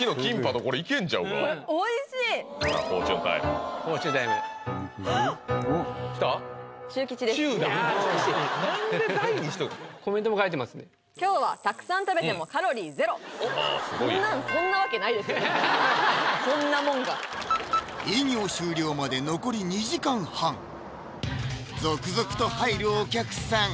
こんなんこんなもんが営業終了まで残り２時間半続々と入るお客さん